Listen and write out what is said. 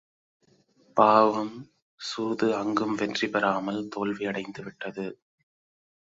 பாவம், சூது அங்கும் வெற்றி பெறாமல் தோல்வியடைந்து விட்டது.